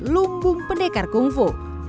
lumpung pendekar kungfu